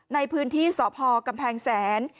ในพื้นที่สพกำแพงแสน